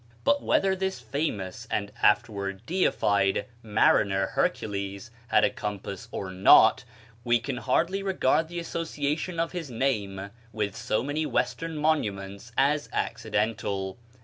But whether this famous, and afterward deified, mariner (Hercules) had a compass or not, we can hardly regard the association of his name with so many Western monuments as accidental."